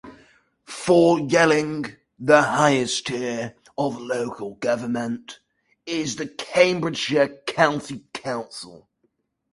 For Yelling the highest tier of local government is Cambridgeshire County Council.